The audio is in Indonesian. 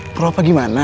perlu apa gimana